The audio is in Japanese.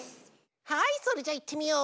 はいそれじゃいってみよう。